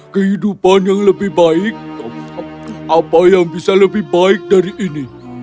kehidupan yang lebih baik apa yang bisa lebih baik dari ini